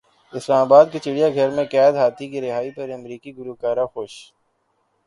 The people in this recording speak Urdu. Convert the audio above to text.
اسلام باد کے چڑیا گھر میں قید ہاتھی کی رہائی پر امریکی گلوکارہ خوش